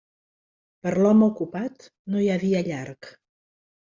Per l'home ocupat, no hi ha dia llarg.